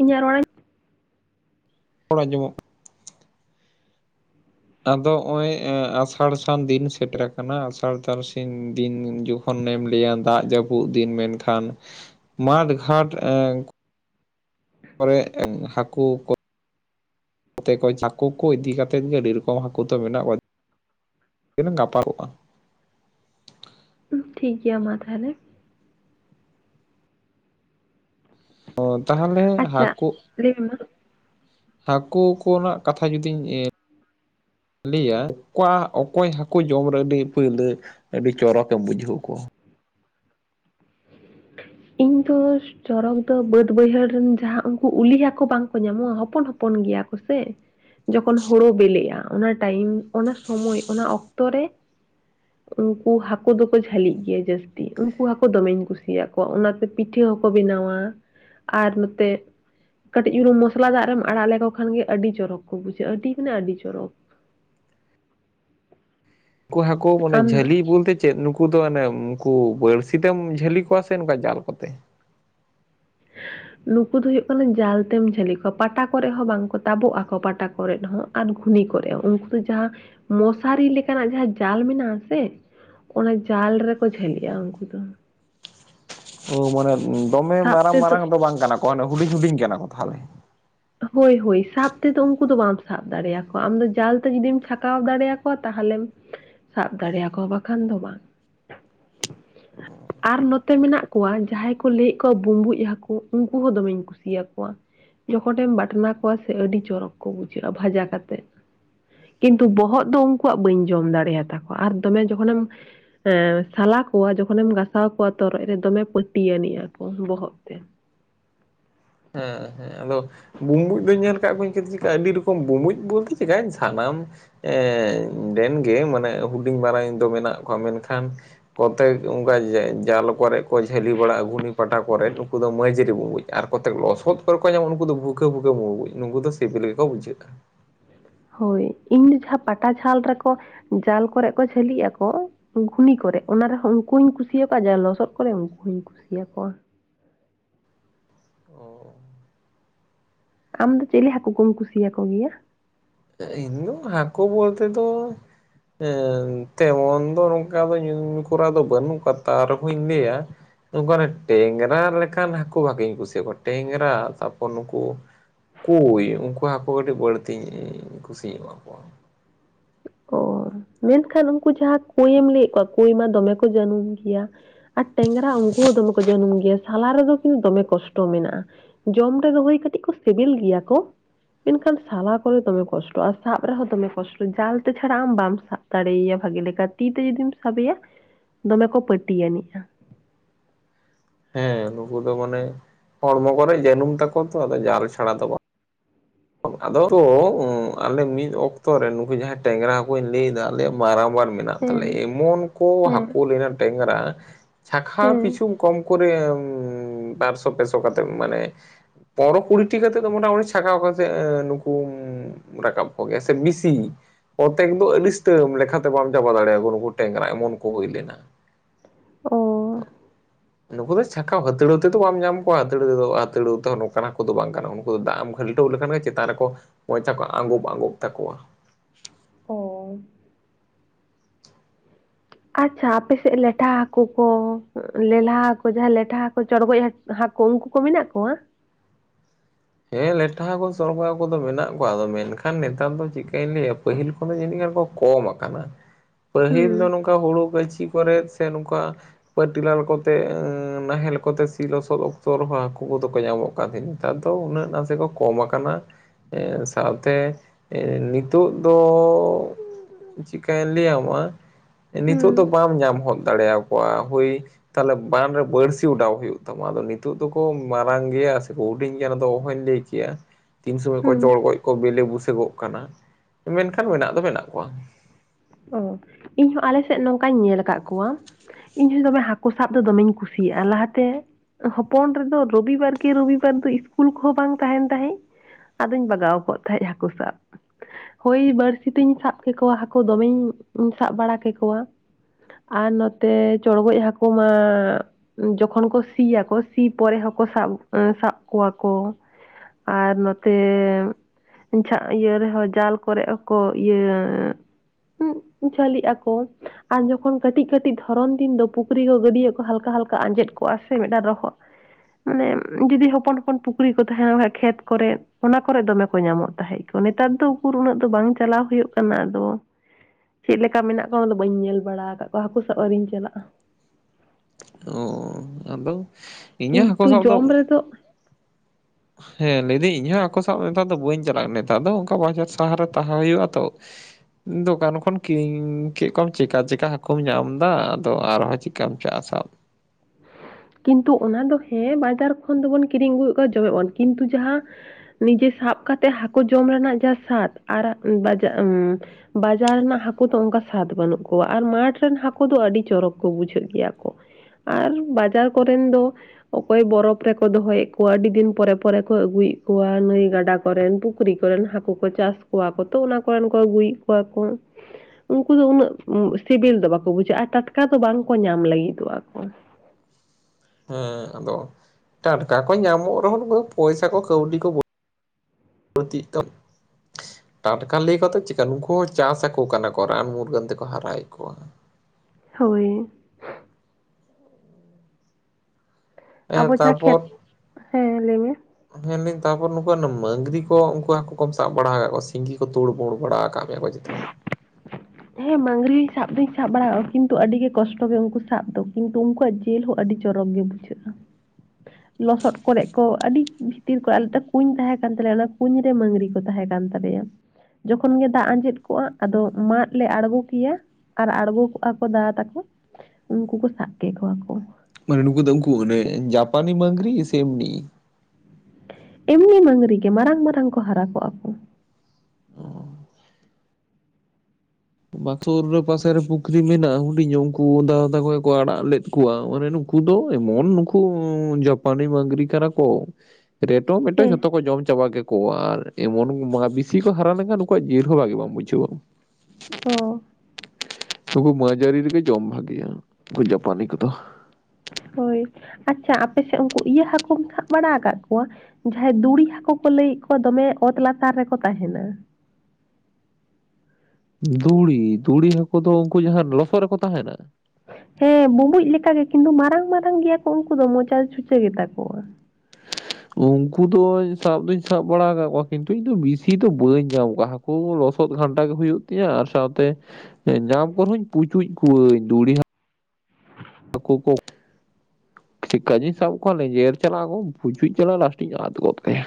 ᱤᱧᱟᱹᱜ ᱨᱚᱲᱮᱢᱼᱼ ᱨᱚᱲ ᱟᱸᱡᱚᱢᱚᱜᱼᱼ ᱟᱫᱚ ᱚᱸᱭ ᱮᱸ ᱟᱥᱟᱲ ᱥᱟᱱ ᱫᱤᱱ ᱥᱮᱴᱮᱨ ᱨᱟ ᱠᱟᱱᱟ, ᱟᱥᱟᱲ ᱛᱟᱨᱟᱥᱤᱧ ᱫᱤᱱ ᱡᱩᱦ ᱼᱼ ᱚᱱᱮᱢ ᱞᱟᱹᱭᱼᱟ ᱫᱟᱜ ᱡᱟᱹᱯᱩᱫ ᱫᱤᱱ ᱢᱮᱱᱠᱷᱟᱱ ᱢᱟᱴ ᱜᱷᱟᱴ ᱮᱸᱼᱼ ᱠᱚᱨᱮᱜ ᱮᱸ ᱦᱟᱹᱠᱩ ᱠᱚᱼᱼ ᱠᱚᱛᱮ ᱠᱚ ᱪᱟᱠᱩ ᱠᱚ ᱤᱫᱤ ᱠᱟᱛᱮᱫ ᱜᱮ ᱟᱹᱰᱤ ᱨᱚᱠᱚᱢ ᱦᱟᱹᱠᱩ ᱫᱚ ᱢᱮᱱᱟᱜ ᱠᱚᱣᱟ [inaudible] ᱜᱟᱯᱟᱜᱚᱜᱼᱟ᱾ ᱴᱷᱤᱠ ᱜᱮᱭᱟ ᱢᱟ ᱛᱟᱦᱮᱞᱮ᱾ ᱦᱚᱸ ᱛᱟᱦᱟᱞᱮ ᱟᱪᱪᱷᱟ ᱦᱟᱠᱩᱜᱼᱼ ᱞᱟᱹᱭ ᱢᱮ ᱢᱟ ᱦᱟᱹᱠᱩ ᱠᱚ ᱨᱮᱱᱟᱜ ᱠᱟᱛᱷᱟ ᱡᱩᱫᱤᱧ ᱤᱭᱟᱹ ᱼᱼ ᱞᱟᱹᱭᱼᱟ ᱚᱠᱟ ᱚᱠᱚᱭ ᱦᱟᱹᱠᱩ ᱡᱚᱢ ᱨᱮ ᱟᱹᱰᱤ ᱯᱟᱹ ᱫᱟᱹᱼᱼ ᱟᱹᱰᱤ ᱪᱚᱨᱚᱠᱮ ᱵᱩᱡᱷᱟᱹᱣ ᱠᱚᱣᱟ᱾ ᱤᱧ ᱫᱚᱻᱥᱼᱼ ᱪᱚᱨᱚᱠ ᱫᱚ ᱵᱟᱹᱫᱽ ᱵᱟᱹᱭᱦᱟᱹᱲ ᱨᱤᱱ ᱡᱟᱦᱟᱸ ᱩᱸᱠᱩ ᱩᱞᱤ ᱦᱟᱹᱠᱩ ᱵᱟᱝ ᱠᱚ ᱧᱟᱢᱚᱜᱼᱟ ᱦᱚᱯᱚᱱ ᱦᱚᱯᱚᱱ ᱜᱮᱭᱟ ᱠᱚ ᱥᱮ? ᱡᱚᱠᱚᱱ ᱦᱩᱲᱳ ᱵᱤᱞᱮᱜᱼᱟ ᱚᱱᱟ ᱴᱟᱭᱤᱢ ᱚᱱᱟ ᱥᱚᱢᱚᱭ ᱚᱱᱟ ᱚᱠᱛᱚ ᱨᱮᱼᱼ ᱩᱸᱠᱩ ᱦᱟᱹᱠᱩ ᱫᱚᱠᱚ ᱡᱷᱟᱹᱞᱤᱜ ᱜᱮᱭᱟ ᱡᱟᱹᱥᱛᱤ ᱩᱱᱠᱩ ᱦᱟᱹᱠᱩ ᱫᱚᱢᱮᱧ ᱠᱩᱥᱤᱭᱟᱠᱚᱣᱟ ᱚᱱᱟᱛᱮᱼᱼ ᱯᱤᱴᱷᱟᱹ ᱦᱚᱸᱠᱚ ᱵᱮᱱᱟᱶᱟ ᱟᱨ ᱱᱚᱛᱮᱜᱼᱼ ᱠᱟᱹᱴᱤᱡ ᱪᱩᱞᱩᱝ ᱢᱚᱥᱞᱟ ᱫᱟᱜ ᱨᱮᱢ ᱟᱲᱟᱜ ᱞᱮᱠᱚ ᱠᱷᱟᱱ ᱜᱮ ᱟᱹᱰᱤ ᱪᱚᱨᱚᱠ ᱠᱚ ᱵᱩᱡᱷᱟᱹᱜᱼᱟ, ᱟᱹᱰᱤ ᱢᱟᱱᱮ ᱟᱹᱰᱤ ᱪᱚᱨᱚᱠ᱾ ᱠᱚ ᱦᱟᱠᱳ ᱢᱟᱱᱮ ᱟᱢ ᱫᱚ ᱡᱷᱟᱹᱞᱤ ᱵᱚᱞᱛᱮᱼᱼ ᱪᱮᱫ ᱱᱩᱠᱩ ᱫᱚ ᱚᱱᱮ ᱩᱸᱠᱩ ᱵᱟᱹᱲᱥᱤ ᱛᱮᱢ ᱡᱷᱟᱹᱞᱤ ᱠᱚᱣᱟ ᱥᱮ ᱱᱚᱠᱟ ᱡᱟᱞ ᱠᱚᱛᱮ? [inaudible] ᱱᱩᱠᱩ ᱫᱚ ᱦᱩᱭᱩᱜ ᱠᱟᱱᱟ ᱡᱟᱞ ᱛᱮᱢ ᱡᱷᱟᱹᱞᱤ ᱠᱚᱣᱟ, ᱯᱟᱴᱟ ᱠᱚᱨᱮᱜ ᱦᱚᱸ ᱵᱟᱝ ᱠᱚ ᱛᱟᱵᱚᱜ ᱟᱠᱚ ᱯᱟᱴᱟ ᱠᱚᱨᱮᱫ ᱦᱚᱸ᱾ ᱟᱫᱽ ᱜᱷᱩᱱᱤ ᱠᱚᱨᱮ ᱩᱝᱠᱩ ᱫᱚ ᱡᱟᱦᱟᱸ ᱢᱚᱥᱟᱨᱤ ᱞᱮᱠᱟᱱᱟᱜ ᱡᱟᱦᱟᱸ ᱡᱟᱞ ᱢᱮᱱᱟᱜᱼᱟ ᱥᱮᱼᱼ ᱚᱱᱟ ᱡᱟᱞ ᱨᱮᱠᱚ ᱡᱷᱟᱹᱞᱤᱜᱼᱟ ᱩᱱᱠᱩ ᱫᱚ᱾ ᱳ ᱢᱟᱱᱮ ᱫᱚᱢᱮ ᱥᱟᱵ ᱢᱟᱨᱟᱝ ᱛᱮᱫᱚ ᱢᱟᱨᱟᱝ ᱫᱚ ᱵᱟᱝ ᱠᱟᱱᱟ ᱠᱚ ᱚᱱᱮ ᱦᱩᱰᱤᱧ ᱦᱩᱰᱤᱧ ᱠᱟᱱᱟ ᱠᱚ ᱛᱟᱦᱞᱮ᱾ ᱦᱳᱭ ᱦᱳᱭ ᱥᱟᱵᱽ ᱛᱮᱫᱚ ᱩᱝᱠᱩ ᱫᱚ ᱵᱟᱢ ᱥᱟᱵᱽ ᱫᱟᱲᱮᱭᱟ ᱠᱚᱣᱟ ᱟᱢᱫᱚ ᱡᱟᱞ ᱛᱮ ᱡᱩᱫᱤᱢ ᱪᱷᱟᱠᱟᱣ ᱫᱟᱲᱮᱭᱟ ᱠᱚᱣᱟ ᱛᱟᱦᱞᱮᱢ ᱥᱟᱵᱽ ᱫᱟᱲᱮᱭᱟ ᱠᱚᱣᱟ ᱵᱟᱠᱷᱟᱱ ᱫᱚ ᱵᱟᱝ᱾ ᱟᱨ ᱱᱚᱼᱼ ᱛᱮ ᱢᱮᱱᱟᱜ ᱠᱚᱣᱟ ᱡᱟᱦᱟᱸᱭ ᱠᱚ ᱞᱟᱹᱭᱮᱫ ᱠᱚᱣᱟ ᱵᱩᱸᱢᱵᱩᱡ ᱦᱟᱹᱠᱩ ᱩᱱᱠᱩ ᱦᱚᱸ ᱫᱚᱢᱮᱧ ᱠᱩᱥᱤᱭᱟ ᱠᱚᱣᱟ᱾ ᱡᱚᱠᱷᱚᱱᱮᱢ ᱵᱟᱴᱱᱟ ᱠᱚᱣᱟ ᱥᱮ ᱟᱹᱰᱤ ᱪᱚᱨᱚᱠ ᱠᱚ ᱵᱩᱡᱷᱟᱹᱜᱼᱟ ᱵᱷᱟᱡᱟ ᱠᱟᱛᱮᱫ᱾ ᱠᱤᱱᱛᱩ ᱵᱚᱦᱚᱜ ᱫᱚ ᱩᱱᱠᱩᱣᱟᱜ ᱵᱟᱹᱧ ᱡᱚᱢ ᱫᱟᱲᱮᱭᱟ ᱛᱟᱠᱚᱣᱟ ᱟᱨ ᱫᱚᱢᱮ ᱡᱚᱠᱷᱚᱱᱮᱢᱼᱼ ᱮ ᱥᱟᱞᱟ ᱠᱚᱣᱟ ᱡᱚᱠᱷᱚᱱᱮᱢ ᱜᱟᱥᱟᱣ ᱠᱚᱣᱟ ᱛᱚᱨᱚᱡ ᱨᱮ ᱫᱚᱢᱮ ᱞᱟᱹᱴᱤᱭᱟᱹ ᱱᱤᱭᱟᱹ ᱠᱚ ᱵᱚᱦᱚᱜ ᱛᱮ᱾ ᱦᱮᱸ ᱦᱮᱸ ᱟᱫᱚ ᱵᱩᱢᱵᱩᱡ ᱫᱩᱧ ᱧᱮᱞ ᱠᱟᱫ ᱠᱚᱣᱟᱹᱧ ᱪᱤᱠᱟᱹ ᱟᱹᱰᱤ ᱨᱚᱠᱚᱢ ᱵᱩᱢᱵᱩᱡ ᱵᱚᱞᱛᱮ ᱪᱤᱠᱟᱹᱧ ᱥᱟᱱᱟᱢ ᱮᱸ ᱰᱮᱱᱜᱮ ᱢᱟᱱᱮ ᱦᱩᱰᱤᱧ ᱢᱟᱨᱟᱝ ᱤᱧᱫᱚ ᱢᱮᱱᱟᱜ ᱠᱚᱣᱟ ᱢᱮᱱᱠᱷᱟᱱ ᱠᱚᱛᱮᱠ ᱚᱱᱠᱟ ᱡᱟᱞ ᱠᱚᱨᱮ ᱠᱚ ᱡᱷᱟᱹᱞᱤ ᱵᱟᱲᱟᱜᱼᱟ ᱜᱷᱩᱱᱤ ᱯᱟᱴᱟ ᱠᱚᱨᱮᱫ ᱱᱩᱠᱩ ᱫᱚ ᱢᱟᱹᱡᱽᱨᱤ ᱵᱩᱢᱵᱩᱡᱽ ᱟᱨ ᱠᱚᱛᱮᱠ ᱞᱚᱥᱚᱫ ᱠᱚᱨᱮ ᱠᱚ ᱧᱟᱢᱚᱜ ᱩᱱᱠᱩ ᱫᱚ ᱵᱷᱩᱠᱟᱹ ᱵᱷᱩᱠᱟᱹ ᱢᱩᱢᱵᱩᱡ ᱱᱩᱠᱩ ᱫᱚ ᱥᱤᱵᱤᱞ ᱜᱮᱠᱚ ᱵᱩᱡᱷᱟᱹᱜᱼᱟ᱾ ᱦᱳᱭ ᱤᱧ ᱫᱚ ᱡᱟᱦᱟᱸ ᱯᱟᱴᱟ ᱡᱷᱟᱞ ᱨᱮᱠᱚ ᱡᱟᱞ ᱠᱚᱨᱮ ᱠᱚ ᱡᱷᱟᱹᱞᱤᱜ ᱟᱠᱚ᱾ ᱜᱷᱩᱱᱤ ᱠᱚᱨᱮᱜ ᱚᱱᱟ ᱨᱮᱦᱚᱸ ᱩᱱᱠᱩ ᱦᱚᱸᱧ ᱠᱩᱥᱤᱭᱟᱠᱚᱣᱟ ᱟᱨ ᱡᱟᱦᱟᱸᱭ ᱞᱚᱥᱚᱫ ᱠᱚᱨᱮ ᱩᱱᱠᱩ ᱦᱚᱸᱧ ᱠᱩᱥᱤᱭᱟᱠᱚᱣᱟ᱾ ᱚ ᱟᱢ ᱫᱚ ᱪᱮᱞᱮ ᱦᱟᱹᱠᱩ ᱠᱚᱢ ᱠᱩᱥᱤᱭᱟᱠᱚ ᱜᱮᱭᱟ? ᱤᱧ ᱦᱟᱠᱩ ᱵᱚᱞᱛᱮ ᱫᱚ ᱮ ᱛᱮᱢᱚᱱ ᱫᱚ ᱱᱚᱝᱠᱟ ᱫᱚ ᱧᱩ ᱠᱚᱨᱟ ᱫᱚ ᱵᱟᱹᱱᱩᱜ ᱠᱚᱣᱟ ᱛᱟᱣ ᱟᱨᱦᱚᱧ ᱞᱟᱹᱭᱟ ᱱᱚᱝᱠᱟᱱ ᱴᱮᱝᱨᱟ ᱞᱮᱠᱟᱱ ᱦᱟᱹᱠᱩ ᱵᱷᱟᱹᱜᱮᱧ ᱠᱩᱥᱤᱭᱟ ᱠᱚᱣᱟ ᱴᱮᱝᱨᱟ ᱛᱟᱨᱯᱚᱨ ᱱᱩᱠᱩ ᱠᱳᱭ ᱩᱱᱠᱩ ᱦᱟᱹᱠᱩ ᱟᱹᱰᱤ ᱵᱟᱹᱲᱛᱤᱧ ᱵᱟᱹᱲᱛᱤᱧ ᱠᱩᱥᱤᱭᱟᱠᱚᱣᱟ᱾ ᱚ ᱢᱮᱱᱠᱷᱟᱱ ᱩᱱᱠᱩ ᱡᱟᱦᱟᱸ ᱠᱳᱭᱮᱢ ᱞᱟᱹᱭᱮᱫ ᱠᱚᱣᱟ ᱠᱳᱭ ᱢᱟ ᱫᱚᱢᱮ ᱠᱚ ᱡᱟᱹᱱᱩᱢ ᱜᱮᱭᱟ᱾ ᱟᱨ ᱴᱮᱝᱨᱟ ᱩᱱᱠᱩ ᱦᱚᱸ ᱫᱚᱢᱮ ᱠᱚ ᱡᱟᱹᱱᱩᱢ ᱜᱮᱭᱟ ᱥᱟᱞᱟ ᱨᱮᱫᱚ ᱠᱤᱱᱛᱩ ᱫᱚᱢᱮ ᱠᱚᱥᱴᱚ ᱢᱮᱱᱟᱜᱼᱟ᱾ ᱡᱚᱢ ᱨᱮᱫᱚ ᱦᱳᱭ ᱠᱟᱹᱴᱤᱡ ᱠᱚ ᱥᱤᱵᱤᱞ ᱜᱮᱭᱟ ᱠᱚ᱾ ᱢᱮᱱᱠᱷᱟᱱ ᱥᱟᱞᱟ ᱠᱚᱨᱮ ᱫᱚᱢᱮ ᱠᱚᱥᱴᱚ ᱟᱨ ᱥᱟᱵ ᱨᱮᱦᱚᱸ ᱫᱚᱢᱮ ᱠᱚᱥᱴᱚ ᱡᱟᱞ ᱛᱮ ᱪᱷᱟᱲᱟ ᱟᱢ ᱵᱟᱢ ᱥᱟᱵ ᱫᱟᱲᱮᱭᱟᱭᱟ ᱵᱷᱟᱜᱤ ᱞᱮᱠᱟ ᱛᱤ ᱛᱮ ᱡᱩᱫᱤᱢ ᱥᱟᱵᱮᱭᱟ ᱫᱚᱢᱮ ᱠᱚ ᱯᱟᱹᱴᱤᱭᱟᱹᱱᱤᱡᱼᱟ᱾ ᱦᱮᱸ ᱱᱩᱠᱩ ᱫᱚ ᱢᱟᱱᱮ ᱦᱚᱲᱢᱚ ᱠᱚᱨᱮ ᱡᱟᱹᱱᱩᱢ ᱛᱟᱠᱚ ᱛᱚ ᱟᱫᱚ ᱡᱟᱞ ᱪᱷᱟᱲᱟ ᱫᱚ ᱵᱟᱝ ᱟᱫᱚ ᱛᱚ ᱟᱞᱮ ᱢᱤᱫ ᱚᱠᱛᱚ ᱨᱮ ᱱᱩᱠᱩ ᱡᱟᱦᱟᱸᱭ ᱴᱮᱝᱨᱟ ᱦᱟᱠᱩᱧ ᱞᱟᱹᱭᱫᱟ ᱟᱞᱮᱭᱟᱜ ᱢᱟᱨᱟᱝ ᱵᱟᱱ ᱢᱮᱱᱟᱜ ᱦᱮᱸ ᱛᱟᱞᱮᱭᱟ ᱮᱢᱚᱱ ᱠᱚ ᱦᱮᱸ ᱦᱟᱹᱠᱩ ᱞᱮᱱᱟ ᱴᱮᱝᱨᱟ ᱪᱷᱟᱠᱷᱟᱣ ᱦᱮᱸ ᱯᱤᱪᱷᱩ ᱠᱚᱢ ᱠᱚᱨᱮ ᱵᱟᱨᱥᱚ ᱯᱮᱥᱚ ᱠᱟᱛᱮ ᱢᱟᱱᱮ ᱯᱚᱱᱨᱚ ᱠᱩᱲᱤᱴᱤ ᱠᱟᱛᱮ ᱫᱚ ᱢᱚᱴᱟᱢᱩᱴᱤ ᱪᱷᱟᱠᱟᱣ ᱠᱟᱛᱮᱜ ᱱᱩᱠᱩᱢ ᱨᱟᱠᱟᱵ ᱠᱚ ᱜᱮᱭᱟ ᱥᱮ ᱵᱤᱥᱤ ᱠᱚᱛᱮᱠ ᱫᱚ ᱟᱹᱰᱤ ᱥᱩᱛᱟᱹᱢ ᱞᱮᱠᱟᱛᱮ ᱵᱟᱢ ᱪᱟᱵᱟ ᱫᱟᱲᱮᱭᱟᱠᱚᱭᱟ ᱱᱩᱠᱩ ᱴᱮᱝᱨᱟ ᱮᱢᱚᱱ ᱠᱚ ᱦᱩᱭ ᱞᱮᱱᱟ᱾ ᱚ ᱱᱩᱠᱩ ᱫᱚ ᱪᱷᱟᱠᱟᱣ ᱦᱟᱹᱛᱲᱟᱹᱣ ᱛᱮᱫᱚ ᱵᱟᱢ ᱧᱟᱢ ᱠᱚᱣᱟ ᱦᱟᱹᱛᱲᱟᱹ ᱟᱨ ᱦᱟᱹᱛᱲᱟᱹ ᱛᱮᱦᱚᱸ ᱱᱚᱝᱠᱟᱱ ᱦᱟᱠᱚ ᱫᱚ ᱵᱟᱝ ᱜᱟᱱᱚᱜ ᱩᱱᱠᱩ ᱫᱚ ᱫᱟᱜ ᱮᱢ ᱠᱷᱟᱹᱞ ᱴᱟᱹᱣ ᱞᱮᱠᱷᱟᱱ ᱜᱮ ᱪᱮᱛᱟᱱ ᱨᱮᱠᱚ ᱢᱚᱪᱟ ᱠᱚ ᱟᱜᱚᱵ-ᱟᱜᱚᱵ ᱛᱟᱠᱚᱣᱟ᱾ ᱚ ᱟᱪᱪᱷᱟ ᱟᱯᱮᱥᱮᱫ ᱞᱮᱴᱷᱟ ᱦᱟᱠᱩ ᱠᱚ ᱞᱮᱞᱦᱟ ᱦᱟᱠᱩ ᱡᱟᱦᱟᱸ ᱞᱮᱴᱷᱟ ᱦᱟᱹᱠᱩ ᱪᱚᱲᱜᱚᱡ ᱦᱟ ᱦᱟᱹᱠᱩ ᱩᱱᱠᱩ ᱠᱚ ᱢᱮᱱᱟᱜ ᱠᱚᱣᱟ? ᱦᱮᱸ ᱞᱮᱴᱷᱟ ᱦᱟᱹᱠᱩ ᱥᱚᱨᱜᱚᱡ ᱦᱟᱹᱠᱩ ᱫᱚ ᱢᱮᱱᱟᱜ ᱠᱚᱣᱟ, ᱟᱫᱚ ᱢᱮᱱᱠᱷᱟᱱ ᱱᱮᱛᱟᱨ ᱫᱚ ᱪᱮᱫᱠᱟᱧ ᱞᱟᱹᱭᱟ᱾ ᱯᱟᱹᱦᱤᱞ ᱠᱷᱚᱱᱟᱜ ᱡᱟᱹᱱᱤᱡ ᱜᱟᱱ ᱠᱚ ᱠᱚᱢ ᱟᱠᱟᱱᱟ᱾ ᱯᱟᱹᱦᱤᱞ ᱦᱩᱸ ᱫᱚ ᱱᱚᱝᱠᱟ ᱦᱩᱲᱩ ᱜᱟᱹᱪᱷᱤ ᱠᱚᱨᱮᱫ ᱥᱮ ᱱᱚᱝᱠᱟ ᱯᱟᱹᱛᱤᱞᱟᱞ ᱠᱚᱛᱮ ᱱᱟᱦᱮᱞ ᱠᱚᱛᱮ ᱥᱤ ᱞᱚᱥᱚᱫ ᱚᱠᱛᱚ ᱨᱮᱦᱚᱸ ᱦᱟᱠᱩ ᱠᱚᱫᱚ ᱠᱚ ᱧᱟᱢᱚᱜ ᱠᱟᱱ ᱛᱟᱦᱮᱸᱫ ᱱᱮᱛᱟᱨ ᱛᱚ ᱩᱱᱟᱹᱜ ᱱᱟᱥᱮ ᱠᱚ ᱠᱚᱢ ᱟᱠᱟᱱᱟ ᱮᱸ ᱥᱟᱶᱛᱮ ᱱᱤᱛᱳᱜ ᱫᱚ ᱪᱤᱫᱠᱟᱧ ᱞᱟᱹᱭᱟᱢᱟ ᱱᱤᱛᱚᱜ ᱫᱚ ᱦᱩᱸ ᱵᱟᱢ ᱧᱟᱢ ᱦᱚᱫ ᱫᱟᱲᱮᱭᱟᱠᱚᱣᱟ ᱦᱳᱭ ᱛᱟᱦᱚᱞᱮ ᱵᱟᱱ ᱨᱮ ᱵᱟᱹᱲᱥᱤ ᱚᱰᱟᱣ ᱦᱩᱭᱩᱜ ᱛᱟᱢᱟ ᱟᱫᱚ ᱱᱤᱛᱚᱜ ᱫᱚᱠᱚ ᱢᱟᱨᱟᱝ ᱜᱮᱭᱟ ᱥᱮᱠᱚ ᱦᱩᱰᱤᱧ ᱜᱮᱭᱟ ᱚᱱᱟᱫᱚ ᱚᱦᱚᱧ ᱞᱟᱹᱭ ᱠᱮᱭᱟ ᱛᱤᱱ ᱥᱚᱢᱚᱭ ᱠᱚ ᱦᱩᱸ ᱪᱚᱲᱜᱚᱡ ᱠᱚ ᱵᱮᱞᱮ ᱵᱩᱥᱟᱹᱜᱚᱜ ᱠᱟᱱᱟ ᱢᱮᱱᱠᱷᱟᱱ ᱢᱮᱱᱟᱜ ᱫᱚ ᱢᱮᱱᱟᱜ ᱠᱚᱣᱟ ᱚ ᱤᱧᱦᱚᱸ ᱟᱞᱮ ᱥᱮᱫ ᱱᱚᱝᱠᱟᱧ ᱧᱮᱞ ᱟᱠᱟᱫ ᱠᱚᱣᱟ ᱤᱧᱦᱚᱸ ᱫᱚᱢᱮ ᱦᱟᱠᱩ ᱥᱟᱵ ᱫᱚ ᱫᱚᱢᱮᱧ ᱠᱩᱥᱤᱭᱟᱜᱼᱟ ᱞᱟᱦᱟᱛᱮ ᱦᱚᱯᱚᱱ ᱨᱮᱫᱚ ᱨᱚᱵᱤᱵᱟᱨ ᱠᱮ ᱨᱚᱵᱤᱵᱟᱨ ᱫᱚ ᱤᱥᱠᱩᱞ ᱠᱚᱦᱚᱸ ᱵᱟᱝ ᱛᱟᱦᱮᱱ ᱛᱟᱦᱮᱸᱫ ᱟᱫᱚᱧ ᱵᱟᱜᱟᱣ ᱠᱚᱜ ᱛᱟᱦᱮᱸᱫ ᱦᱟᱠᱩ ᱥᱟᱵ ᱦᱳᱭ ᱵᱟᱹᱲᱥᱤ ᱛᱤᱧ ᱥᱟᱵ ᱠᱮᱠᱚᱣᱟ ᱦᱟᱹᱠᱩ ᱫᱚᱢᱮᱧ ᱥᱟᱵ ᱵᱟᱲᱟ ᱠᱮᱠᱚᱣᱟ ᱟᱨ ᱱᱚᱛᱮ ᱪᱚᱲᱜᱚᱡ ᱦᱟᱠᱩ ᱢᱟ ᱡᱚᱠᱷᱚᱱ ᱠᱚ ᱥᱤᱭᱟᱠᱚ ᱥᱤ ᱯᱚᱨᱮ ᱦᱚᱸᱠᱚ ᱥᱟᱵ ᱥᱟᱵ ᱠᱚᱣᱟ ᱠᱚ ᱟᱨ ᱱᱚᱛᱮᱢᱼᱼ ᱡᱷᱟᱜ ᱤᱭᱟᱹ ᱨᱮ ᱦᱚᱸ ᱡᱟᱞ ᱠᱚᱨᱮᱜ ᱦᱚᱸ ᱠᱚ ᱤᱭᱟᱹ ᱩᱸᱜᱼᱼ ᱩᱸ ᱡᱷᱟᱹᱞᱤᱜ ᱟᱠᱚ ᱟᱨ ᱡᱚᱠᱷᱚᱱ ᱠᱟᱹᱴᱤᱡ ᱠᱟᱹᱴᱤᱡ ᱫᱷᱚᱨᱚᱱ ᱫᱤᱱ ᱫᱚ ᱯᱩᱠᱷᱨᱤ ᱠᱚ ᱜᱟᱹᱰᱭᱟᱹ ᱠᱚ ᱦᱟᱞᱠᱟ ᱦᱟᱞᱠᱟ ᱟᱸᱡᱮᱫ ᱠᱚᱜ-ᱟ ᱼᱼ ᱥᱮ ᱢᱤᱫ ᱴᱟᱜ ᱨᱚᱦᱚᱜ ᱢᱟᱱᱮ ᱡᱩᱫᱤ ᱦᱚᱯᱚᱱ ᱦᱚᱯᱚᱱ ᱯᱩᱠᱷᱨᱤ ᱠᱚ ᱛᱟᱦᱮᱱᱟ ᱠᱷᱟᱡ ᱠᱷᱮᱛ ᱠᱚᱨᱮ᱾ ᱚᱱᱟ ᱠᱚᱨᱮ ᱫᱚᱢᱮ ᱠᱚ ᱧᱟᱢᱚᱜ ᱛᱟᱦᱮᱸᱜ ᱠᱚ ᱱᱮᱛᱟᱨ ᱫᱚ ᱩᱠᱩᱨ ᱩᱱᱟᱹᱜ ᱫᱚ ᱵᱟᱝ ᱪᱟᱞᱟᱣ ᱦᱩᱭᱩᱜ ᱠᱟᱱᱟ ᱟᱫᱚᱼᱼ ᱪᱮᱜ ᱞᱮᱠᱟ ᱢᱮᱱᱟᱜ ᱠᱚᱣᱟ ᱚᱱᱟ ᱫᱚ ᱵᱟᱹᱧ ᱧᱮᱞ ᱵᱟᱲᱟᱣ ᱠᱟᱜ ᱠᱚᱣᱟ ᱦᱟᱹᱠᱩ ᱥᱟᱵ ᱟᱹᱣᱨᱤᱧ ᱪᱟᱞᱟᱜ-ᱟ᱾ ᱚᱻ ᱟᱫᱚ ᱤᱧ ᱦᱚᱸ ᱦᱟᱠᱚ ᱠᱤᱱᱛᱩ ᱥᱟᱵ ᱫᱚᱼᱼ ᱡᱚᱢ ᱨᱮᱫᱚ ᱦᱮᱸ ᱞᱟᱹᱭ ᱫᱟᱹᱧ ᱤᱧ ᱦᱚᱸ ᱦᱟᱠᱚ ᱥᱟᱵ ᱱᱮᱛᱟᱨ ᱫᱚ ᱵᱟᱹᱧ ᱪᱟᱞᱟᱜ ᱠᱟᱱᱟ ᱱᱮᱛᱟᱨ ᱫᱚ ᱚᱱᱠᱟ ᱵᱟᱡᱟᱨ ᱥᱟᱦᱟᱨ ᱨᱮ ᱛᱟᱦᱮᱸ ᱦᱩᱭᱩᱜ-ᱟ ᱛᱚ᱾ ᱩᱸ ᱫᱚᱠᱟᱱ ᱠᱷᱚᱱ ᱠᱤᱨᱤᱧ ᱠᱮᱜ ᱠᱚᱣᱟᱢ ᱪᱮᱠᱟ ᱪᱮᱠᱟ ᱦᱟᱠᱚᱢ ᱧᱟᱢ ᱫᱟ ᱟᱫᱚ ᱟᱨ ᱦᱚᱸ ᱪᱤᱠᱟᱢ ᱪᱟᱜ-ᱟ ᱥᱟᱵ᱾ ᱠᱤᱱᱛᱩ ᱚᱱᱟ ᱫᱚ ᱦᱮᱸ ᱵᱟᱡᱟᱨ ᱠᱷᱚᱱ ᱫᱚᱵᱚᱱ ᱠᱤᱨᱤᱧ ᱟᱹᱜᱩᱭᱮᱜ ᱠᱚᱣᱟ ᱡᱚᱢᱮᱜ ᱠᱚᱣᱟ ᱵᱚᱱ ᱠᱤᱱᱛᱩ ᱡᱟᱦᱟᱸᱼᱼ ᱱᱤᱡᱮ ᱥᱟᱵ ᱠᱟᱛᱮᱜ ᱦᱟᱠᱩ ᱡᱚᱢ ᱨᱮᱱᱟᱜ ᱡᱟ ᱥᱟᱫ ᱟᱨᱟᱜ ᱩᱸ ᱵᱟᱡᱟ ᱩᱸᱢᱼᱼ ᱵᱟᱡᱟᱨ ᱨᱮᱱᱟᱜ ᱦᱟᱠᱩ ᱫᱚ ᱚᱱᱠᱟ ᱥᱟᱫᱽ ᱵᱟᱹᱱᱩᱜ ᱠᱚᱣᱟ ᱟᱨ ᱢᱟᱴᱷ ᱨᱮᱱ ᱦᱟᱠᱩ ᱫᱚ ᱟᱹᱰᱤ ᱪᱚᱨᱚᱠ ᱠᱚ ᱵᱩᱡᱷᱟᱹᱜ ᱜᱮᱭᱟ ᱠᱚ᱾ ᱟᱨ ᱵᱟᱡᱟᱨ ᱠᱚᱨᱮᱱ ᱫᱚᱼᱼ ᱚᱠᱚᱭ ᱵᱚᱨᱚᱯ ᱨᱮᱠᱚ ᱫᱚᱦᱚᱭᱮᱜ ᱠᱚᱣᱟ ᱟᱹᱰᱤ ᱫᱤᱱ ᱯᱚᱨᱮ ᱯᱚᱨᱮ ᱠᱚ ᱟᱹᱜᱩᱭᱮᱜ ᱠᱚᱣᱟ ᱱᱟᱹᱭ ᱜᱟᱰᱟᱼᱼ ᱠᱚᱨᱮᱱ ᱯᱩᱠᱷᱨᱤ ᱠᱚᱨᱮᱱ ᱦᱟᱠᱩ ᱠᱚ ᱪᱟᱥ ᱠᱚᱣᱟ ᱠᱚ ᱛᱚ ᱚᱱᱟ ᱠᱚᱨᱮᱱ ᱠᱚ ᱟᱹᱜᱩᱭᱮᱜ ᱠᱚᱣᱟ ᱠᱚ᱾ ᱩᱱᱠᱩ ᱫᱚ ᱩᱱᱟᱹᱜ ᱥᱤᱵᱤᱞ ᱫᱚ ᱵᱟᱠᱚ ᱵᱩᱡᱷᱟᱹᱜ-ᱟ ᱟᱨ ᱴᱟᱴᱠᱟ ᱫᱚ ᱵᱟᱝ ᱠᱚ ᱧᱟᱢ ᱞᱟᱹᱜᱤᱫᱚᱜ ᱟᱠᱚ᱾ ᱦᱮᱸ ᱟᱫᱚ ᱴᱟᱴᱠᱟ ᱠᱚ ᱧᱟᱢᱚᱜ ᱨᱮᱦᱚᱸ ᱠᱚ ᱫᱚ ᱯᱚᱭᱥᱟ ᱠᱚ ᱠᱟᱹᱣᱰᱤ ᱠᱚ ᱵᱚᱼᱼ ᱫᱚ ᱛᱤᱜ ᱛᱚᱢᱼᱼ ᱴᱟᱴᱠᱟ ᱞᱟᱹᱭ ᱠᱚᱛᱮ ᱪᱮᱠᱟ ᱱᱩᱠᱩ ᱦᱚᱸ ᱪᱟᱥ ᱟᱠᱚ ᱠᱟᱱᱟ ᱠᱚ ᱨᱟᱱ ᱢᱩᱨᱜᱟᱹᱱ ᱛᱮᱠᱚ ᱦᱟᱨᱟᱭᱮᱜ ᱠᱚᱣᱟ᱾ ᱦᱳᱭ᱾ ᱦᱮᱸ ᱟᱵᱚ ᱡᱟᱦᱟᱸ ᱠᱷᱮᱛ ᱛᱟᱨᱯᱚᱨᱼᱼ ᱦᱮᱸ ᱞᱟᱹᱭ ᱢᱮ ᱢᱮᱱ ᱫᱟᱹᱧ ᱛᱟᱨᱯᱚᱨ ᱱᱩᱠᱩ ᱚᱱᱮ ᱢᱟᱹᱝᱜᱽᱨᱤ ᱠᱚ ᱩᱱᱠᱩ ᱦᱟᱠᱚ ᱠᱚᱢ ᱥᱟᱵ ᱵᱟᱲᱟ ᱟᱠᱟᱜ ᱠᱚᱣᱟ ᱥᱤᱝᱜᱤ ᱠᱚ ᱛᱩᱲ ᱵᱩᱲ ᱵᱟᱲᱟ ᱟᱠᱟᱜ ᱢᱮᱭᱟ ᱠᱚ ᱪᱮᱛᱟ? ᱦᱮᱸ ᱢᱟᱹᱝᱜᱽᱨᱤ ᱥᱟᱵ ᱫᱚᱧ ᱥᱟᱵ ᱵᱟᱲᱟᱣ ᱠᱟᱜ ᱠᱚᱣᱟ ᱠᱤᱱᱛᱩ ᱟᱹᱰᱤ ᱜᱮ ᱠᱚᱥᱴᱚ ᱜᱮ ᱩᱱᱠᱩ ᱥᱟᱵ ᱫᱚ ᱠᱤᱱᱛᱩ ᱩᱱᱠᱩᱣᱟᱜ ᱡᱟᱼᱼ ᱡᱤᱞ ᱦᱚᱸ ᱟᱹᱰᱤ ᱪᱚᱨᱚᱠ ᱜᱮ ᱵᱩᱡᱷᱟᱹᱜ-ᱟ᱾ ᱞᱚᱥᱚᱫ ᱠᱚᱨᱮᱜ ᱠᱚ ᱟᱹᱰᱤ ᱵᱷᱤᱛᱤᱨ ᱠᱚᱨᱮ ᱟᱞᱮ ᱫᱚ ᱢᱤᱫᱴᱮᱱ ᱠᱩᱧ ᱛᱟᱦᱮᱸ ᱠᱟᱱ ᱛᱟᱞᱮᱭᱟ ᱚᱱᱟ ᱠᱩᱧ ᱨᱮ ᱢᱟᱹᱝᱜᱽᱨᱤ ᱠᱚ ᱛᱟᱦᱮᱸ ᱠᱟᱱ ᱛᱟᱞᱮᱭᱟ᱾ ᱡᱚᱠᱷᱚᱱ ᱜᱮ ᱫᱟᱜ ᱟᱸᱡᱮᱫ ᱠᱚᱜ-ᱟ ᱟᱫᱚ ᱢᱟᱫᱼᱼ ᱞᱮ ᱟᱬᱜᱩ ᱠᱮᱭᱟ ᱟᱨ ᱟᱬᱜᱩ ᱟᱠᱚ ᱫᱟᱫᱟ ᱛᱟᱠᱚ ᱩᱱᱠᱩ ᱠᱚ ᱥᱟᱵ ᱠᱮᱠᱚᱣᱟ ᱠᱚ᱾ ᱢᱟᱱᱮ ᱱᱩᱠᱩ ᱫᱚ ᱩᱱᱠᱩ ᱚᱱᱮ ᱡᱟᱯᱟᱱᱤ ᱢᱟᱹᱝᱜᱽᱨᱤ ᱥᱮ ᱮᱢᱱᱤ᱾ ᱮᱢᱱᱤ ᱢᱟᱹᱝᱜᱽᱨᱤ ᱜᱮ ᱢᱟᱨᱟᱝ ᱢᱟᱨᱟᱝ ᱠᱚ ᱦᱟᱨᱟ ᱠᱚᱜ-ᱟ ᱠᱚ᱾ ᱵᱟᱠᱩᱨ ᱨᱮ ᱯᱟᱥᱮ ᱨᱮ ᱯᱩᱠᱷᱨᱤ ᱢᱮᱱᱟᱜ-ᱟ ᱦᱩᱰᱤᱧ ᱩᱱᱠᱩ ᱫᱟᱫᱟ ᱛᱟᱠᱚ ᱜᱮᱠᱚ ᱟᱲᱟᱜ ᱞᱮᱫᱼᱼ ᱠᱩᱣᱟ ᱟᱨ ᱚᱱᱮ ᱱᱩᱠᱩ ᱫᱚ ᱮᱢᱚᱱ ᱱᱩᱠᱩ ᱡᱟᱯᱟᱱᱤ ᱢᱟᱹᱝᱜᱽᱨᱤ ᱠᱟᱱᱟ ᱠᱚ᱾ [inaudible] ᱨᱮᱴᱚ ᱢᱮᱴᱚ ᱦᱮᱸ ᱡᱷᱚᱛᱚ ᱠᱚ ᱡᱚᱢ ᱪᱟᱵᱟ ᱠᱮᱜᱼᱼ ᱠᱚᱣᱟ ᱟᱨ ᱮᱢᱚᱱ ᱢᱟ ᱵᱤᱥᱤ ᱠᱚ ᱦᱟᱨᱟ ᱞᱮᱱᱠᱷᱟᱱ ᱩᱱᱠᱩ ᱣᱟᱜ ᱡᱤᱞ ᱦᱚᱸ ᱵᱷᱟᱜᱤ ᱵᱟᱝ ᱵᱩᱡᱷᱟᱹᱣᱟ᱾ ᱚ᱾ ᱱᱩᱠᱩ ᱢᱟᱹᱡᱟᱹᱨᱤ ᱨᱮᱜᱮ ᱡᱚᱢ ᱵᱷᱟᱜᱮᱭᱟ ᱩᱱᱠᱩ ᱡᱟᱯᱟᱱᱤ ᱠᱚᱫᱚ᱾ ᱦᱳᱭ ᱟᱪᱪᱷᱟ ᱟᱯᱮ ᱥᱮᱜ ᱩᱱᱠᱩ ᱤᱭᱟᱹ ᱦᱟᱠᱩᱢ ᱥᱟᱵ ᱵᱟᱲᱟ ᱟᱠᱟᱜ ᱠᱚᱣᱟ? ᱡᱟᱦᱟᱸᱭ ᱫᱩᱬᱤ ᱦᱟᱠᱩ ᱠᱚ ᱞᱟᱹᱭᱮᱜ ᱠᱚᱣᱟ ᱫᱚᱢᱮ ᱚᱛ ᱞᱟᱛᱟᱨ ᱨᱮᱠᱚ ᱛᱟᱦᱮᱱᱟ᱾ ᱫᱩᱬᱤ, ᱫᱩᱬᱤ ᱦᱟᱹᱠᱩ ᱫᱚ ᱩᱱᱠᱩ ᱡᱟᱦᱟᱸ ᱞᱚᱥᱚᱜ ᱨᱮᱠᱚ ᱛᱟᱦᱮᱱᱟ? ᱦᱮᱸ ᱵᱩᱸᱵᱩᱡ ᱞᱮᱠᱟ ᱜᱮ ᱠᱤᱱᱛᱩ ᱢᱟᱨᱟᱝ ᱢᱟᱨᱟᱝ ᱜᱮᱭᱟ ᱠᱚ ᱩᱱᱠᱩ ᱫᱚ ᱢᱚᱪᱟ ᱪᱷᱩᱪᱟᱹ ᱜᱮᱛᱟ ᱠᱚᱣᱟ᱾ [inaudible] ᱩᱱᱠᱩ ᱫᱚᱧ ᱥᱟᱵ ᱫᱩᱧ ᱥᱟᱵ ᱵᱟᱲᱟ ᱟᱠᱟᱜ ᱠᱚᱣᱟ ᱠᱤᱱᱛᱩ ᱤᱧ ᱫᱚ ᱵᱤᱥᱤ ᱫᱚ ᱵᱟᱹᱧ ᱧᱟᱢ ᱠᱟᱣᱟ ᱦᱟᱠᱼᱼ ᱠᱷᱩᱵ ᱞᱚᱥᱚᱫ ᱜᱷᱟᱱᱴᱟ ᱜᱮ ᱦᱩᱭᱩᱜ ᱛᱤᱧᱟᱹ ᱟᱨ ᱥᱟᱶᱛᱮᱼᱼ ᱧᱟᱢ ᱠᱩ ᱨᱮᱦᱩᱧ ᱯᱩᱪᱩᱡ ᱠᱚᱣᱟᱹᱧ ᱫᱩᱬᱤ ᱦᱟᱠᱼᱼ ᱦᱟᱠᱩ ᱠᱚ᱾ ᱪᱮᱠᱟ ᱡᱩᱧ ᱥᱟᱵ ᱠᱚᱣᱟ ᱞᱮᱸᱡᱮᱨ ᱪᱟᱞᱟᱜ-ᱟ ᱠᱚ ᱯᱩᱡᱩᱡ ᱪᱟᱞᱟᱜ-ᱟ ᱞᱟᱥᱴᱤᱧ ᱟᱲᱟᱜ ᱜᱚᱫ ᱠᱟᱭᱟ᱾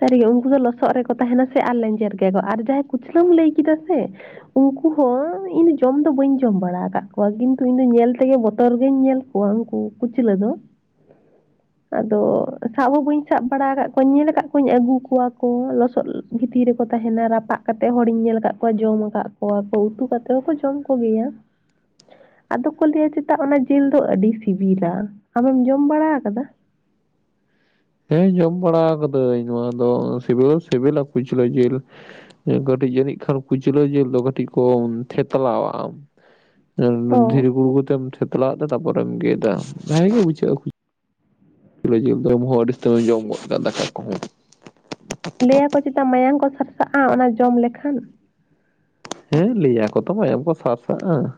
ᱥᱟᱹᱨᱤ ᱜᱮ ᱩᱱᱠᱩ ᱫᱚ ᱞᱚᱥᱚᱫ ᱨᱮᱠᱚ ᱛᱟᱦᱮᱱᱟ ᱥᱮ ᱟᱨ ᱞᱮᱧᱡᱮᱨ ᱜᱮᱭᱟ ᱠᱚ ᱟᱨ ᱡᱟᱦᱟᱸᱭ ᱠᱩᱪᱞᱟᱹᱢ ᱞᱟᱹᱭ ᱠᱮᱫᱟ ᱥᱮᱼᱼ ᱩᱱᱠᱩ ᱦᱚᱸ ᱤᱧ ᱫᱚ ᱡᱚᱢ ᱫᱚ ᱵᱟᱹᱧ ᱡᱚᱢ ᱵᱟᱲᱟ ᱟᱠᱟᱜ ᱠᱚᱣᱟ ᱠᱤᱱᱛᱩ ᱤᱧ ᱫᱚ ᱧᱮᱞ ᱛᱮᱜᱮ ᱵᱚᱛᱚᱨ ᱜᱮᱧ ᱧᱮᱞ ᱼᱼ ᱠᱚᱣᱟ ᱩᱱᱠᱩ ᱠᱩᱪᱞᱟᱹ ᱫᱚ᱾ ᱟᱸᱫᱚᱜ ᱥᱟᱵ ᱦᱚᱸ ᱵᱟᱹᱧ ᱥᱟᱵ ᱵᱟᱲᱟ ᱟᱠᱟᱜ ᱠᱚᱣᱟᱹᱧ ᱧᱮᱞ ᱟᱠᱟᱜᱼᱼ ᱠᱚᱧ ᱟᱹᱜᱩ ᱠᱚᱣᱟ ᱠᱚ ᱞᱚᱥᱚᱫ ᱵᱷᱤᱛᱤᱨ ᱨᱮᱠᱚ ᱛᱟᱦᱮᱸᱱᱟ ᱨᱟᱯᱟᱜ ᱠᱟᱛᱮᱫ ᱦᱚᱲᱤᱧ ᱧᱮᱞ ᱟᱠᱟᱫ ᱠᱚᱣᱟ ᱡᱚᱢ ᱟᱠᱟᱫ ᱠᱚᱣᱟᱠᱚ ᱩᱛᱩ ᱠᱟᱛᱮ ᱦᱚᱸᱠᱚ ᱡᱚᱢ ᱠᱚᱜᱮᱭᱟ᱾ ᱟᱫᱚ ᱠᱚ ᱞᱟᱹᱭᱟ ᱪᱮᱛᱟ ᱚᱱᱟ ᱡᱤᱞ ᱫᱚ ᱟᱹᱰᱤ ᱥᱤᱵᱤᱞᱟ ᱟᱢᱮᱢ ᱡᱚᱢ ᱵᱟᱲᱟ ᱠᱟᱫᱟ? ᱦᱮᱸ ᱡᱚᱢ ᱵᱟᱲᱟ ᱠᱟᱫᱟᱹᱧ ᱱᱚᱣᱟ ᱫᱚ ᱥᱤᱵᱤᱞ ᱦᱚᱸ ᱥᱤᱵᱤᱞᱟ ᱠᱩᱪᱞᱟᱹ ᱡᱤᱞ᱾ ᱠᱟᱹᱴᱤᱡ ᱡᱟᱹᱱᱤᱡ ᱠᱷᱟᱱ ᱠᱩᱪᱞᱟᱹ ᱡᱮ ᱫᱚ ᱠᱟᱹᱴᱤᱡ ᱠᱚ ᱛᱷᱮᱛᱞᱟᱣᱟᱜᱼᱟ᱾ ᱫᱷᱤᱨᱤ ᱚ ᱜᱩᱲᱜᱩ ᱛᱮᱢ ᱛᱷᱮᱛᱞᱟᱣ ᱟᱜᱛᱮ ᱛᱟᱯᱚᱨᱮᱢ ᱜᱮᱫᱟ᱾ [unintelligible] ᱠᱩᱪᱞᱟᱹ ᱡᱮᱞ ᱡᱚᱢ ᱦᱚᱸ ᱟᱹᱰᱤ ᱟᱥᱛᱮᱢ ᱮᱢ ᱡᱚᱢ ᱜᱚᱫ ᱠᱟᱜᱼᱟ ᱫᱟᱠᱟ ᱠᱚᱦᱚᱸ᱾ ᱞᱟᱹᱭᱟ ᱠᱚ ᱪᱮᱛᱟ ᱢᱟᱭᱟᱝ ᱠᱚ ᱥᱟᱨᱥᱟᱜᱼᱟ ᱚᱱᱟ ᱡᱚᱢ ᱞᱮᱠᱷᱟᱱ᱾ ᱦᱮᱸ ᱞᱟᱹᱭᱟ ᱠᱚ ᱛᱚ ᱢᱟᱭᱟᱢ ᱠᱚ ᱥᱟᱨᱟᱜᱼᱟ᱾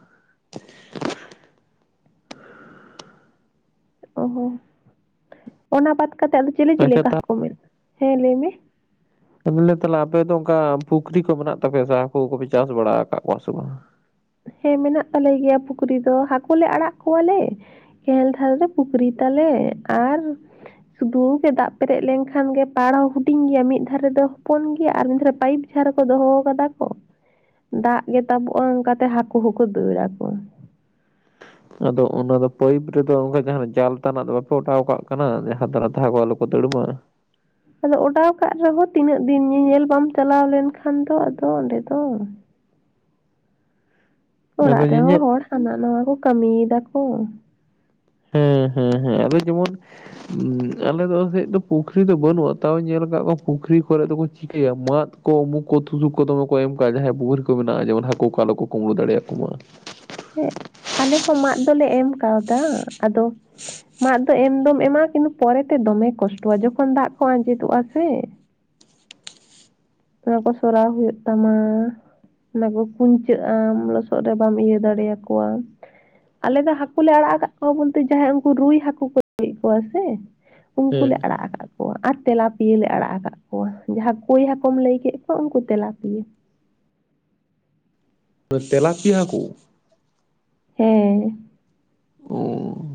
ᱚ ᱦᱚ ᱚᱱᱟ ᱵᱟᱫᱽ ᱠᱟᱛᱮᱜ ᱟᱫᱚ ᱪᱤᱞᱤ ᱪᱤᱞᱤ ᱟᱪᱪᱷᱟ ᱠᱚ ᱦᱟᱠᱳ, ᱦᱮᱸ ᱞᱟᱹᱭ ᱢᱮ᱾ ᱮ ᱵᱚᱞᱮ ᱟᱯᱮ ᱫᱚ ᱚᱝᱠᱟ ᱯᱩᱠᱷᱨᱤ ᱠᱚ ᱢᱮᱱᱟᱜ ᱛᱟᱯᱮᱭᱟ ᱥᱮ ᱦᱟᱹᱠᱩ ᱠᱚᱯᱮ ᱪᱟᱥ ᱵᱟᱲᱟ ᱟᱠᱟᱫ ᱠᱚᱣᱟ ᱥᱮ ᱵᱟᱝᱟ? ᱦᱮᱸ ᱢᱮᱱᱟᱜ ᱛᱟᱞᱮ ᱜᱮᱭᱟ ᱯᱩᱠᱷᱨᱤ ᱫᱚ ᱦᱟᱠᱳ ᱞᱮ ᱟᱲᱟᱜ ᱠᱚᱣᱟ ᱞᱮ ᱾ ᱠᱮᱱᱮᱞ ᱫᱷᱟᱨᱮ ᱨᱮ ᱯᱩᱠᱷᱨᱤ ᱛᱟᱞᱮ ᱟᱨ ᱥᱩᱫᱩ ᱜᱮ ᱫᱟᱜ ᱯᱮᱨᱮᱡ ᱞᱮᱱᱠᱷᱟᱱ ᱜᱮ ᱯᱟᱲ ᱦᱚᱸ ᱦᱩᱰᱤᱧ ᱜᱮᱭᱟ ᱢᱤᱫ ᱫᱷᱟᱨᱮ ᱫᱚ ᱦᱚᱯᱚᱱ ᱜᱮᱭᱟ ᱟᱨ ᱢᱤᱫ ᱫᱷᱟᱨᱮ ᱯᱟᱭᱤᱯ ᱤᱪᱷᱟ ᱨᱮᱠᱚ ᱫᱚᱦᱚ ᱠᱟᱫᱟ ᱠᱚ ᱫᱟᱜ ᱜᱮ ᱛᱟᱵᱚᱜᱼᱟ ᱚᱝᱠᱟᱛᱮ ᱦᱟᱠᱳ ᱦᱚᱸᱠᱚ ᱫᱟᱹᱲᱟ ᱠᱚ᱾ ᱟᱫᱚ ᱚᱱᱟ ᱫᱚ ᱯᱟᱹᱭᱤᱯ ᱨᱮᱫᱚ ᱚᱝᱠᱟ ᱡᱟᱦᱟᱸᱱᱟᱜ ᱡᱟᱞ ᱛᱟᱱᱟᱜ ᱫᱚ ᱵᱟᱯᱮ ᱚᱰᱟᱣ ᱠᱟᱜ ᱠᱟᱱᱟ ᱡᱟᱦᱟᱸ [unintelligible] ᱠᱚ ᱫᱟᱹᱲᱢᱟ᱾ ᱟᱫᱚ ᱚᱰᱟᱣ ᱠᱟᱜ ᱨᱮᱦᱚᱸ ᱛᱤᱱᱟᱹᱜ ᱫᱤᱱ ᱧᱮᱧᱮᱞ ᱵᱟᱢ ᱪᱟᱞᱟᱣ ᱞᱮᱱ ᱠᱷᱟᱱ ᱫᱚ ᱟᱫᱚ ᱚᱸᱰᱮ ᱫᱚ᱾ ᱟᱫᱚ ᱚᱲᱟᱜ ᱨᱮᱦᱚᱸ ᱧᱮᱧᱮᱞ ᱦᱚᱲ ᱦᱟᱱᱟ ᱱᱟᱣᱟ ᱠᱚ ᱠᱟᱹᱢᱤᱭ ᱫᱟ ᱠᱚ᱾ ᱦᱮᱸ, ᱦᱮᱸ, ᱦᱮᱸ ᱟᱫᱚ ᱡᱮᱢᱚᱱ ᱩᱸ ᱟᱞᱮ ᱫᱚ ᱥᱮᱫ ᱫᱚ ᱯᱩᱠᱷᱨᱤ ᱫᱚ ᱵᱟᱹᱱᱩᱜᱼᱟ ᱛᱟᱣᱮᱧ ᱧᱮᱞ ᱠᱟᱜ ᱠᱚᱣᱟ ᱯᱩᱠᱷᱨᱤ ᱠᱚᱨᱮᱫ ᱫᱚᱠᱚ ᱪᱤᱠᱟᱹᱭᱟ ᱢᱟᱫ ᱩᱢᱩᱠ ᱠᱚ ᱛᱷᱩᱥᱩᱠ ᱠᱚ ᱫᱚᱢᱮ ᱠᱚ ᱮᱢ ᱠᱟᱜᱼᱟ ᱡᱟᱦᱟᱸᱭᱟᱜ ᱯᱩᱠᱷᱨᱤ ᱠᱚ ᱢᱮᱱᱟᱜᱼᱟ ᱡᱮᱢᱚᱱ ᱦᱟᱠᱳ ᱠᱚ ᱟᱞᱚ ᱠᱚ ᱠᱩᱢᱵᱽᱲᱩ ᱫᱟᱲᱮᱭᱟᱠᱚ ᱢᱟ᱾ ᱦᱮᱸ ᱟᱞᱮ ᱦᱚᱸ ᱢᱟᱫ ᱫᱚᱞᱮ ᱮᱢ ᱠᱟᱣᱫᱟ ᱟᱫᱚ ᱢᱟᱫ ᱫᱚ ᱮᱢ ᱫᱚᱢ ᱮᱢᱟ ᱠᱤᱱᱛᱩ ᱯᱚᱨᱮ ᱛᱮ ᱫᱚᱢᱮ ᱠᱚᱥᱴᱚᱣᱟ ᱡᱚᱠᱷᱚᱱ ᱫᱟᱜ ᱠᱚ ᱟᱸᱡᱮᱫᱚᱜᱼᱟ ᱥᱮ ᱚᱱᱟ ᱠᱚ ᱥᱚᱨᱟᱣ ᱦᱩᱭᱩᱜ ᱛᱟᱢᱟ᱾ ᱚᱱᱟ ᱠᱚ ᱠᱩᱧᱪᱟᱹᱜ ᱟᱢ ᱞᱚᱥᱚᱫ ᱨᱮ ᱵᱟᱢ ᱤᱭᱟᱹ ᱫᱟᱲᱮᱭᱟ ᱠᱚᱣᱟ᱾ ᱟᱞᱮ ᱫᱚ ᱦᱟᱹᱠᱩ ᱞᱮ ᱟᱲᱟᱜ ᱠᱟᱫ ᱠᱚᱣᱟ ᱵᱚᱞᱛᱮ ᱡᱟᱦᱟᱸᱭ ᱩᱱᱠᱩ ᱨᱩᱭ ᱦᱟᱹᱠᱳ ᱠᱚ ᱞᱮᱭᱮᱫ ᱠᱚᱣᱟ ᱥᱮ, ᱩᱝᱠᱩ ᱞᱮ ᱦᱮᱸ ᱟᱲᱟᱜ ᱟᱠᱟᱫ ᱠᱚᱣᱟ, ᱟᱨ ᱛᱮᱞᱟ ᱯᱤᱭᱟᱹ ᱞᱮ ᱟᱲᱟᱜ ᱠᱟᱫ ᱠᱚᱣᱟ ᱡᱟᱦᱟᱸ ᱠᱳᱭ ᱦᱟᱠᱳ ᱠᱚᱢ ᱞᱟᱹᱭ ᱠᱮᱫ ᱠᱚᱣᱟ ᱩᱱᱠᱩ ᱛᱮᱞᱟᱯᱤᱭᱟᱹ᱾ ᱛᱚ ᱛᱮᱞᱟᱯᱤᱭᱟᱹ ᱦᱟᱹᱠᱩ? ᱦᱮᱸᱻ᱾ ᱚ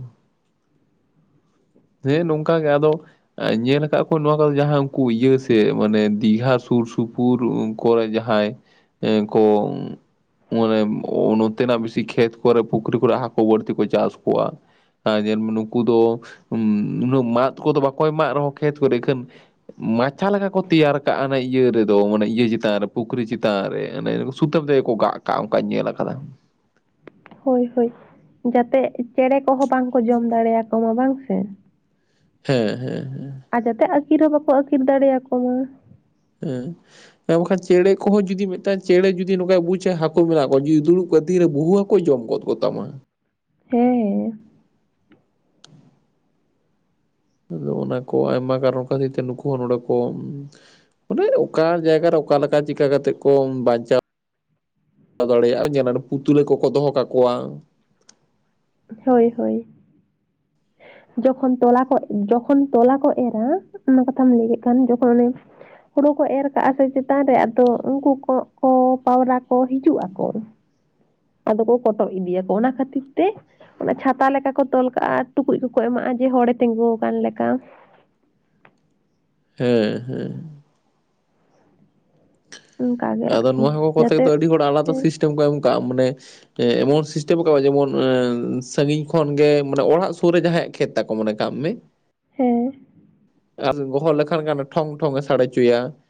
ᱦᱮᱸ ᱱᱚᱝᱠᱟ ᱜᱮ ᱟᱫᱚ [unintelligible] ᱧᱮᱞ ᱠᱟᱫ ᱠᱩᱭᱟᱹᱧ ᱱᱚᱣᱟ ᱠᱚᱨᱮ ᱡᱟᱦᱟᱸ ᱩᱝᱠᱩ ᱤᱭᱟᱹ ᱥᱮ ᱢᱟᱱᱮ ᱫᱤᱜᱷᱟ ᱥᱩᱨ ᱥᱩᱯᱩᱨ, ᱠᱚᱨᱮ ᱡᱟᱦᱟᱸᱭ ᱮᱸ ᱠᱚ ᱢᱟᱱᱮ ᱚ ᱱᱚᱛᱮᱱᱟᱜ ᱵᱮᱥᱤ ᱠᱷᱮᱛ ᱠᱚᱨᱮ ᱯᱩᱠᱷᱨᱤ ᱠᱚᱨᱮᱜ ᱦᱟᱹᱠᱳ ᱵᱟᱹᱲᱛᱤ ᱠᱚ ᱪᱟᱥ ᱠᱚᱣᱟ᱾ ᱟᱸ ᱧᱮᱞᱢᱮ ᱱᱩᱠᱩ ᱫᱚ ᱩᱸ ᱩᱱᱟᱹᱜ ᱢᱟᱫ ᱠᱚᱫᱚ ᱵᱟᱠᱚ ᱮᱢᱟᱜ ᱨᱮᱦᱚᱸ ᱠᱷᱮᱛ ᱠᱚᱨᱮ ᱤᱠᱷᱟᱹᱱ ᱢᱟᱪᱷᱟ ᱞᱮᱠᱟ ᱠᱚ ᱛᱮᱭᱟᱨ ᱠᱟᱜᱼᱟ, ᱱᱟᱜ ᱤᱭᱟᱹ ᱨᱮᱫᱚ ᱢᱟᱱᱮ ᱤᱭᱟᱹ ᱪᱮᱛᱟᱱ ᱨᱮ ᱯᱩᱠᱷᱨᱤ ᱪᱮᱛᱟᱱ ᱨᱮ, ᱚᱱᱮ ᱥᱩᱛᱟᱹᱢ ᱨᱮᱜᱮ ᱠᱚ ᱜᱟᱜ ᱠᱟᱜᱼᱟ ᱚᱱᱠᱟᱧ ᱧᱮᱞ ᱠᱟᱫᱟ᱾ ᱦᱳᱭ ᱦᱳᱭ, ᱡᱟᱛᱮᱜ ᱪᱮᱬᱮᱸ ᱠᱚᱦᱚᱸ ᱵᱟᱝ ᱠᱚ ᱡᱚᱢ ᱫᱟᱲᱮᱭᱟᱠᱚ ᱢᱟ ᱵᱟᱝ ᱥᱮ᱾ ᱦᱮᱸ ᱦᱮᱸ ᱦᱮᱸ᱾ ᱟᱨ ᱡᱟᱛᱮ ᱟᱹᱠᱤᱨ ᱦᱚᱸ ᱵᱟᱠᱚ ᱟᱹᱠᱤᱨ ᱫᱟᱲᱮᱭᱟᱠᱚ ᱢᱟ᱾ ᱦᱮᱸ᱾ ᱦᱮᱸ ᱠᱷᱟᱱ ᱪᱮᱬᱮ ᱠᱚᱦᱚᱸ ᱡᱩᱫᱤ ᱢᱤᱫᱴᱟᱝ ᱪᱮᱬᱮ ᱡᱩᱫᱤ ᱱᱚᱝᱠᱟᱭ ᱵᱩᱡᱟ ᱦᱟᱹᱠᱩ ᱢᱮᱱᱟᱜ ᱠᱚᱣᱟ, ᱡᱩᱫᱤ ᱫᱩᱲᱩᱵᱠᱚᱜᱼᱟᱭ ᱛᱤᱨᱮ ᱵᱚᱦᱩ ᱦᱟ ᱠᱳᱭ ᱡᱚᱢ ᱜᱚᱫ ᱠᱚᱛᱟᱢᱟ᱾ ᱦᱮᱸᱻ᱾ ᱟᱫᱚ ᱚᱱᱟ ᱠᱚ ᱟᱭᱢᱟ ᱠᱟᱨᱚᱱ ᱠᱷᱟᱹᱛᱤᱨ ᱛᱮ ᱱᱩᱠᱩ ᱦᱚᱸ ᱱᱚᱰᱮ ᱠᱚ ᱢᱟᱱᱮ ᱚᱠᱟ ᱡᱟᱭᱜᱟ ᱨᱮ ᱚᱠᱟᱞᱮᱠᱟ ᱪᱤᱠᱟ ᱠᱟᱛᱮᱜ ᱠᱚ ᱵᱟᱧᱪᱟᱣ [unintelligible] ᱫᱟᱲᱮᱭᱟᱜᱼᱟ ᱧᱮᱞᱟᱱ ᱯᱩᱛᱞᱟᱹ ᱠᱚᱠᱚ ᱫᱚᱦᱚ ᱠᱟᱠᱚᱣᱟ᱾ ᱦᱳᱭ ᱦᱳᱭ᱾ ᱡᱚᱠᱷᱚᱱ ᱛᱚᱞᱟ ᱠᱚ ᱡᱚᱠᱷᱚᱱ ᱛᱚᱞᱟ ᱠᱚ ᱮᱨᱟ ᱚᱱᱟ ᱠᱟᱛᱷᱟᱢ ᱞᱟᱹᱭ ᱠᱮᱫ ᱠᱷᱟᱱ ᱡᱚᱠᱷᱚᱱ ᱚᱱᱮ [unintelligible] ᱦᱳᱲᱳ ᱠᱚ ᱮᱨ ᱠᱟᱜᱼᱟ ᱥᱮ ᱪᱮᱛᱟᱱ ᱨᱮ, ᱟᱫᱚ ᱩᱱᱠᱩ ᱠᱚᱸᱜ ᱠᱚ, ᱯᱟᱣᱨᱟ ᱠᱚ, ᱦᱤᱡᱩᱜ ᱟᱠᱚ᱾ ᱟᱫᱚ ᱠᱚ ᱠᱚᱴᱚᱜ ᱤᱫᱤᱭᱟᱠᱚ᱾ ᱚᱱᱟ ᱠᱷᱟᱹᱛᱤᱨ ᱛᱮ ᱚᱱᱮ ᱪᱷᱟᱛᱟ ᱞᱮᱠᱟ ᱠᱚ ᱛᱚᱞ ᱠᱟᱜᱼᱟ, ᱴᱩᱠᱩᱡ ᱠᱚᱠᱚ ᱮᱢᱟᱜᱼᱟ, ᱡᱮ ᱦᱚᱲᱮ ᱛᱤᱸᱜᱩ ᱠᱟᱱ ᱞᱮᱠᱟ᱾ ᱦᱮᱸ ᱦᱮᱸ᱾ ᱚᱱᱠᱟ ᱜᱮ ᱟᱫᱚ ᱟᱨᱠᱤ ᱱᱚᱣᱟ ᱦᱚᱸ ᱠᱚᱛᱮ ᱡᱟᱛᱮ ᱫᱚ ᱟᱹᱰᱤ ᱦᱚᱲ ᱟᱞᱟᱫᱟ ᱦᱮᱸ ᱥᱤᱥᱴᱮᱢ ᱠᱚ ᱮᱢ ᱠᱟᱜᱼᱟ, ᱢᱟᱱᱮ ᱮᱢᱚᱱ ᱥᱤᱥᱴᱮᱢ ᱠᱟᱣ-ᱟ ᱡᱮᱢᱚᱱ ᱥᱟ. ᱜᱤᱧ ᱠᱷᱚᱱ ᱜᱮ ᱢᱟᱱᱮ ᱚᱲᱟᱜ ᱥᱩᱨ ᱨᱮ ᱡᱟᱦᱟᱸᱭᱟᱜ ᱠᱷᱮᱛ ᱛᱟᱠᱚ, ᱢᱚᱱᱮ ᱠᱟᱢ ᱢᱮ, ᱦᱮᱸᱻ, ᱟᱨ ᱜᱚᱦᱚ ᱞᱮᱠᱷᱟᱱ ᱜᱟᱱᱮ ᱴᱷᱚᱝ ᱴᱷᱚᱝ ᱮ ᱥᱟᱰᱮ ᱦᱚᱪᱚᱭᱟ,